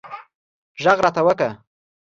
غږ راته وکړه